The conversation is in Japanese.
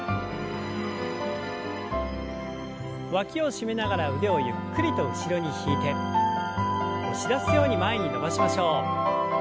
わきを締めながら腕をゆっくりと後ろに引いて押し出すように前に伸ばしましょう。